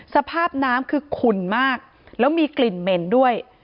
สภาพน้ำคือขุ่นมากแล้วมีกลิ่นเหม็นด้วย